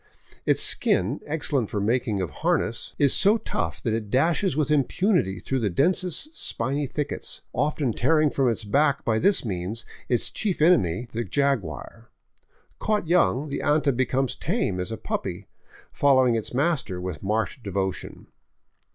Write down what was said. Its skin, excellent for the making of harness, is so tough that it dashes with impunity through the densest spiny thickets, often tearing from its back by this means its chief enemy, the jaguar. Caught young, the anta becomes as tame as a puppy, following its master with marked devotion.